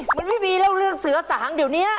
เหมือนพี่บีเล่าเรื่องเสือสางเดี๋ยวนี้